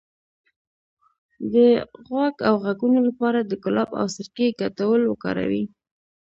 د غوږ د غږونو لپاره د ګلاب او سرکې ګډول وکاروئ